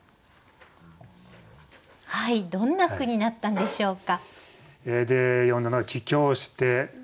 どんな句になったんでしょうか？